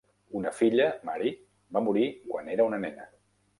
Una filla, Mary, va morir quan era una nena.